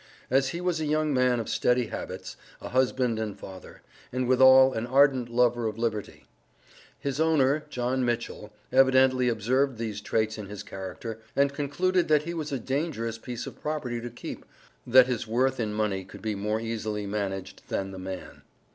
As he was a young man of steady habits, a husband and father, and withal an ardent lover of Liberty; his owner, John Mitchell, evidently observed these traits in his character, and concluded that he was a dangerous piece of property to keep; that his worth in money could be more easily managed than the man.